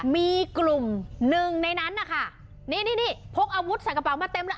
มีกลุ่มหนึ่งในนั้นนะคะนี่นี่พกอาวุธใส่กระเป๋ามาเต็มแล้ว